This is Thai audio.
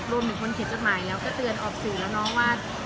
รวมถึงคนเขียนจดหมายแล้วก็เตือนออกสื่อแล้วเนาะว่า